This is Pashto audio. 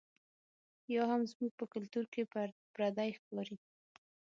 یا هم زموږ په کلتور کې پردۍ ښکاري.